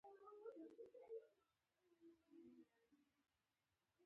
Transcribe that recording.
علامه رشاد سره د ناستو یادونه لري.